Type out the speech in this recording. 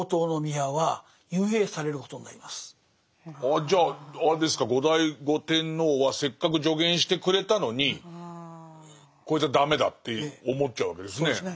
それもあってああじゃああれですか後醍醐天皇はせっかく助言してくれたのにこいつは駄目だって思っちゃうわけですね。